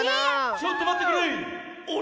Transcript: ちょっとまってくれ！